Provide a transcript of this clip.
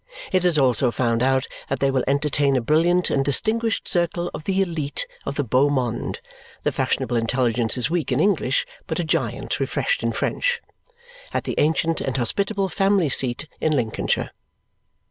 It has also found out that they will entertain a brilliant and distinguished circle of the ELITE of the BEAU MONDE (the fashionable intelligence is weak in English, but a giant refreshed in French) at the ancient and hospitable family seat in Lincolnshire.